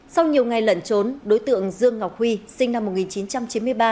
sau nhiều ngày lẩn trốn đối tượng dương ngọc huy sinh năm một nghìn chín trăm chín mươi ba